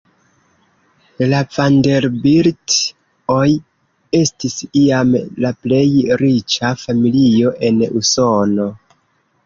La Vanderbilt-oj estis iam la plej riĉa familio en Usono.